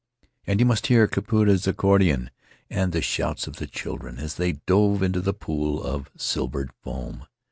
And you must hear Kaupia's accordion, and the shouts of the children as they dove into the pool of silvered foam.